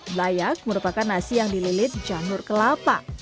belayak merupakan nasi yang dililit janur kelapa